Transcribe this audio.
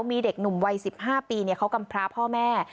มีเด็กหนุ่มวัย๑๕ปีเขากำพร้าพ่อแม่